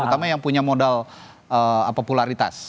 terutama yang punya modal popularitas